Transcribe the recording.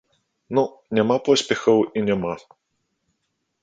Ну, няма поспехаў і няма.